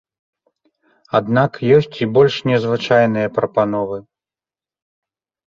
Аднак ёсць і больш незвычайныя прапановы.